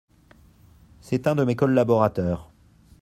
C’est un de mes collaborateurs.